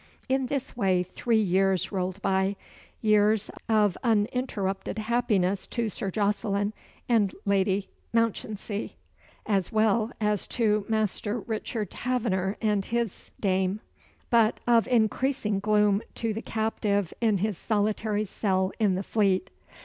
In this way three years rolled by years of uninterrupted happiness to Sir Jocelyn and Lady Mounchensey, as well as to Master Richard Taverner and his dame; but of increasing gloom to the captive in his solitary cell in the Fleet.